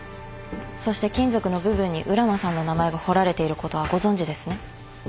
そして金属の部分に浦真さんの名前が彫られていることはご存じですね？